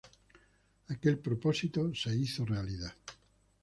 Aquel propósito se hizo realidad.